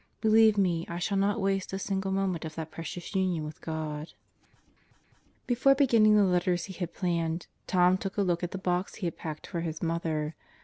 Believe me I shall not waste a single moment of that precious union with God. 191 192 God Goes to Murderer's Row Before beginning the letters he had planned, Tom took a look at the box he had packed for his mother.